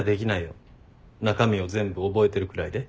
中身を全部覚えてるくらいで。